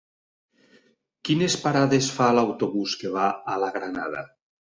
Quines parades fa l'autobús que va a la Granada?